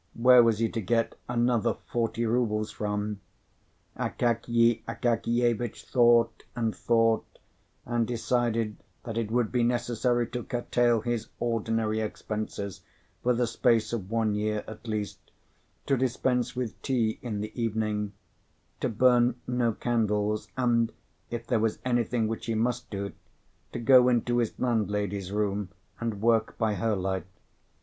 where was he to get another forty rubles from? Akakiy Akakievitch thought and thought, and decided that it would be necessary to curtail his ordinary expenses, for the space of one year at least, to dispense with tea in the evening; to burn no candles, and, if there was anything which he must do, to go into his landlady's room, and work by her light.